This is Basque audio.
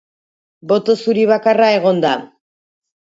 Boto zuri bakarra egon da.